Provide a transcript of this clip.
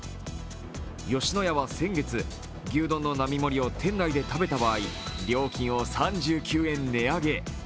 吉野家は先月、牛丼の並盛を店内で食べた場合料金を３９円値上げ。